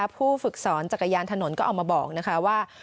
ผู้ฝึกสอนจักรยานถนนก็เอามาบอกนะคะว่า